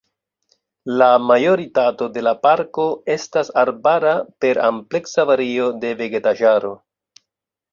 La majoritato de la parko estas arbara per ampleksa vario de vegetaĵaro.